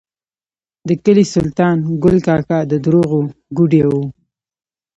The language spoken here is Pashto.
د کلي سلطان ګل کاکا د دروغو ګوډی و.